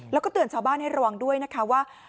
แล้วก็เตือนชาวบ้านให้ระวังด้วยนะคะว่า